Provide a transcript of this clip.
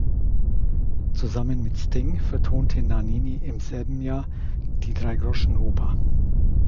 Zusammen mit Sting vertonte Nannini im selben Jahr "Die Dreigroschenoper".